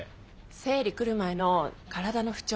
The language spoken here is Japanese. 生理来る前の体の不調。